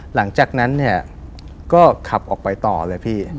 หลังจากนั้นเนี่ยก็ขับออกไปต่อเลยพี่